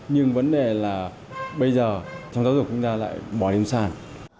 nhưng vấn đề là bây giờ trong giáo dục chúng ta lại bỏ điểm sàn